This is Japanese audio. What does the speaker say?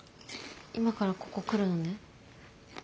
今からここ来るのね。